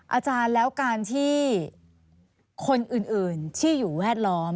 อาจารย์แล้วการที่คนอื่นที่อยู่แวดล้อม